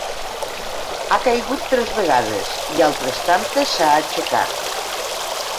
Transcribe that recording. Ha caigut tres vegades i altres tantes s'ha aixecat.